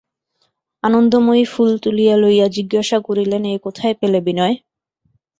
আনন্দময়ী ফুল তুলিয়া লইয়া জিজ্ঞাসা করিলেন, এ কোথায় পেলে বিনয়?